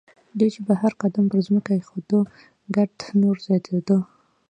دوی چې به هر قدم پر ځمکه اېښود ګرد نور زیاتېده.